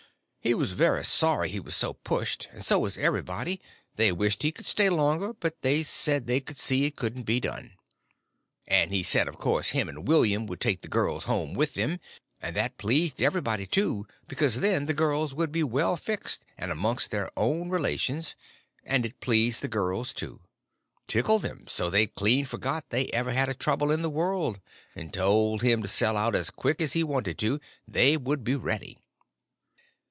He was very sorry he was so pushed, and so was everybody; they wished he could stay longer, but they said they could see it couldn't be done. And he said of course him and William would take the girls home with them; and that pleased everybody too, because then the girls would be well fixed and amongst their own relations; and it pleased the girls, too—tickled them so they clean forgot they ever had a trouble in the world; and told him to sell out as quick as he wanted to, they would be ready.